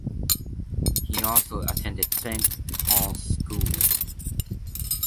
He also attended Saint Paul's School.